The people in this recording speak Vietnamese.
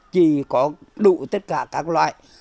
chỉ có đủ tất cả các loại